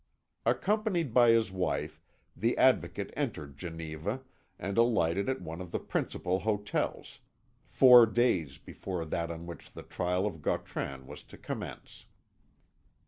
Accompanied by his wife, the Advocate entered Geneva, and alighted at one of the principal hotels, four days before that on which the trial of Gautran was to commence.